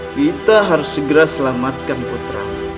kita harus segera selamatkan putra